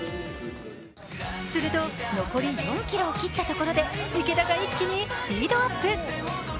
すると残り４ｋｍを切ったところで池田が一気にスピードアップ。